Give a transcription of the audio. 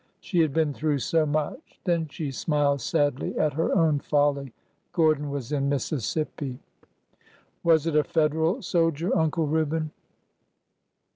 She had been through so much! ... Then she smiled sadly at her own folly. Gordon was in Mississippi. Was it a Federal soldier, Uncle Reuben